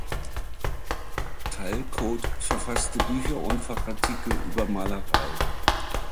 Tal-Coat verfasste Bücher und Fachartikel über Malerei.